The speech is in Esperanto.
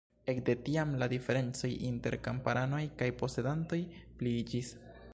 Ekde tiam la diferencoj inter kamparanoj kaj posedantoj pliiĝis.